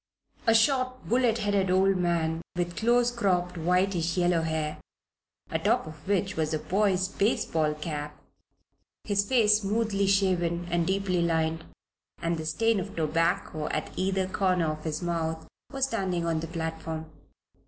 A short, bullet headed old man, with close cropped, whitish yellow hair, atop of which was a boy's baseball cap, his face smoothly shaven and deeply lined, and the stain of tobacco at either corner of his mouth, was standing on the platform.